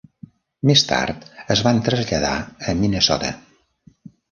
Més tard es van traslladar a Minnesota.